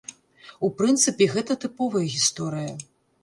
У прынцыпе, гэта тыповая гісторыя.